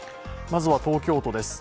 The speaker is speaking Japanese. まずは東京都です。